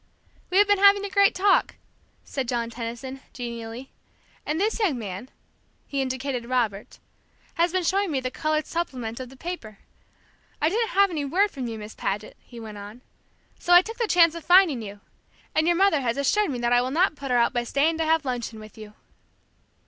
"We have been having a great talk," said John Tenison, genially, "and this young man " he indicated Robert, "has been showing me the colored supplement of the paper. I didn't have any word from you, Miss Paget," he went on, "so I took the chance of finding you. And your mother has assured me that I will not put her out by staying to have luncheon with you."